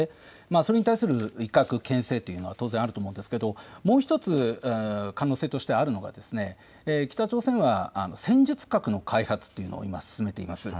それに対する威嚇、けん制というのが当然あると思うんですがもう１つ可能性としてあるのが北朝鮮は戦術核の開発を今、進めています。